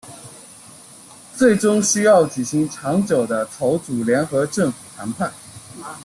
最终需要举行长久的筹组联合政府谈判。